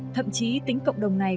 thậm chí tính cộng đồng này